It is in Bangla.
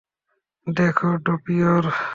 দেখো, ড্রপিয়র!